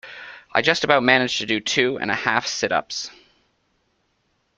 I just about managed to do two and a half sit-ups.